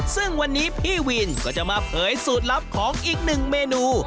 ซึ่งวันนี้พี่วินก็จะมาเผยสูตรลับของอีกหนึ่งเมนู